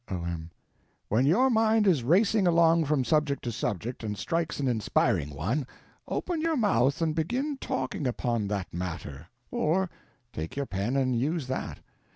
O.M. When your mind is racing along from subject to subject and strikes an inspiring one, open your mouth and begin talking upon that matter—or—take your pen and use that.